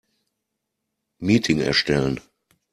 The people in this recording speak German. Meeting erstellen.